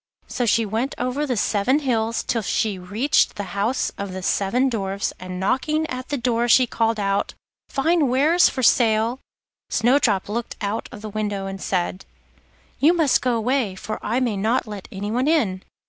So she went over the seven hills till she reached the house of the seven Dwarfs, and knocking at the door she called out: 'Fine wares for sale.' Snowdrop looked out of the window and said: 'You must go away, for I may not let anyone in.